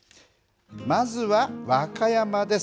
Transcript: まずは和歌山です。